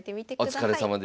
お疲れさまでした。